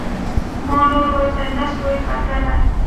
ما نور ورته نسو کتلاى.